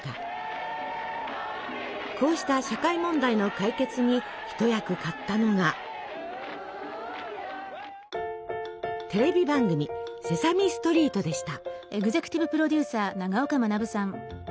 こうした社会問題の解決に一役買ったのがテレビ番組「セサミストリート」でした。